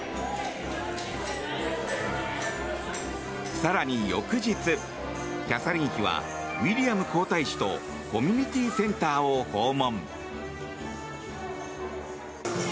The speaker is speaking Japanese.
更に翌日、キャサリン妃はウィリアム皇太子とコミュニティーセンターを訪問。